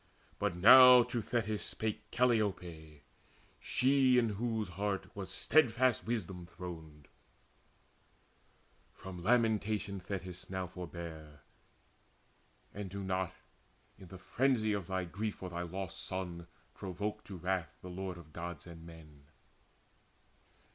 But now to Thetis spake Calliope, She in whose heart was steadfast wisdom throned: "From lamentation, Thetis, now forbear, And do not, in the frenzy of thy grief For thy lost son, provoke to wrath the Lord Of Gods and men.